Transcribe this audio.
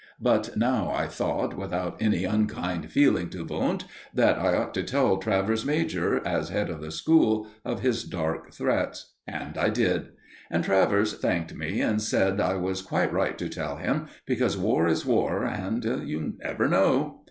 But now I thought, without any unkind feeling to Wundt, that I ought to tell Travers major, as head of the school, of his dark threats; and I did; and Travers thanked me and said I was quite right to tell him, because war is war, and you never know.